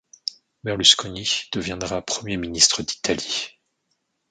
Berlusconi deviendra premier ministre d'Italie.